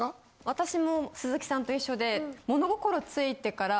私も鈴木さんと一緒でものごころついてから。